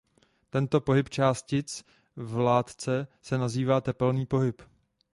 Tento pohyb částic v látce se nazývá "tepelný pohyb".